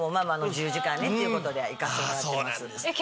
ねっていうことで行かせてもらってます。